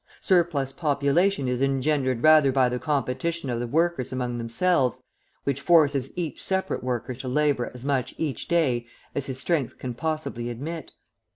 Surplus population is engendered rather by the competition of the workers among themselves, which forces each separate worker to labour as much each day as his strength can possibly admit.